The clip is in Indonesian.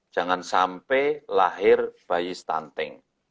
jangan sampai lahir bayi stunting